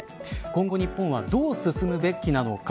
今後、日本はどう進むべきなのか。